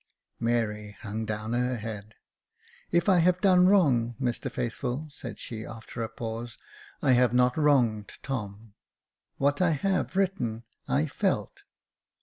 Mary hung down her head. " If I have done wrong, Mr Faithful," said she, after a pause, " I have not wronged Tom ; what I have written, I felt."